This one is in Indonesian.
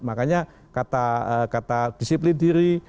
makanya kata disiplin diri